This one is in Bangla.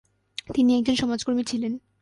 তিনি একজন সমাজকর্মী ছিলেন।